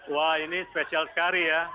wah ini spesial sekali ya